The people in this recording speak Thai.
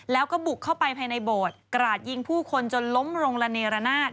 แล้วก็บุกเข้าไปภายในโบสถ์กราดยิงผู้คนจนล้มลงระเนรนาศ